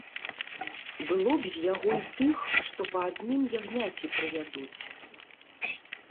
Было б з яго й тых, што па адным ягняці прывядуць.